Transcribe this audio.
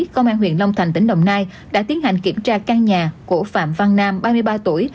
công an huyện long thành tỉnh đồng nai đã tiến hành kiểm tra căn nhà của phạm văn nam ba mươi ba tuổi